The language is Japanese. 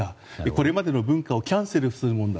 これまでの文化をキャンセルするものだ